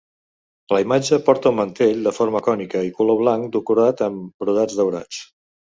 La imatge porta un mantell de forma cònica i color blanc decorat amb brodats daurats.